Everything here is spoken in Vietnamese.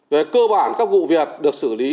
về cơ bản các vụ việc được xử lý